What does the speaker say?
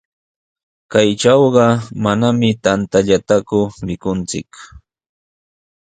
Kaytrawqa manami tantallataku mikunchik.